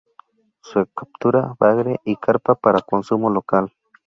Se captura bagre y carpa para consumo local.